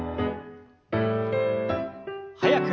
速く。